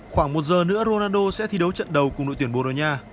khoảng một giờ nữa ronaldo sẽ thi đấu trận đầu cùng đội tuyển bồ đào nha